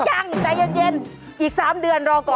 ยังใจเย็นอีก๓เดือนรอก่อน